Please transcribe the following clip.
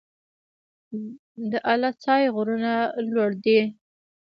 د اله سای غرونه لوړ دي